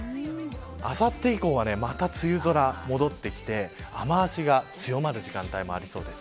あさって以降はまた梅雨空、戻ってきて雨脚が強まる時間帯もありそうです。